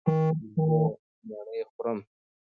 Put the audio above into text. زه مڼې خورم